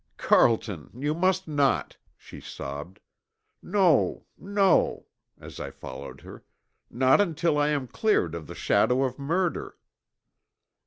"Carlton! No, you must not!" she sobbed. "No, no," as I followed her, "not until I am cleared of the shadow of murder!"